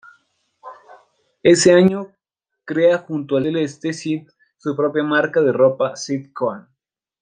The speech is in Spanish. Ese año crea junto a Celeste Cid su propia marca de ropa "Cid Kohan".